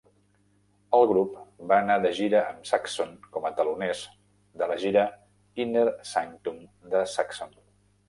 El grup va anar de gira amb Saxon com a teloners de la gira Inner Sanctum de Saxon.